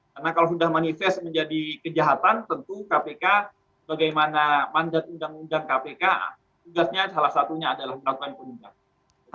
karena kalau sudah manifest menjadi kejahatan tentu kpk bagaimana manjat undang undang kpk tugasnya salah satunya adalah melakukan peningkatan